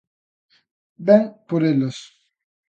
Ven por elas.